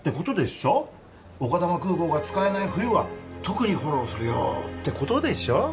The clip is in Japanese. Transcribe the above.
丘珠空港が使えない冬は特にフォローするよってことでしょ？